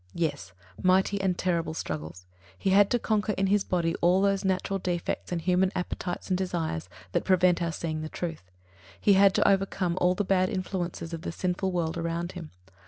Yes, mighty and terrible struggles. He had to conquer in his body all those natural defects and human appetites and desires that prevent our seeing the truth. He had to overcome all the bad influences of the sinful world around him.